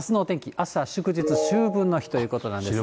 あすは祝日、秋分の日ということなんですが。